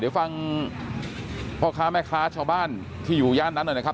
เดี๋ยวฟังพ่อค้าแม่ค้าชาวบ้านที่อยู่ย่านนั้นหน่อยนะครับ